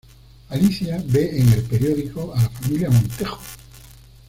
Alicia ve en el periódico a la familia Montejo.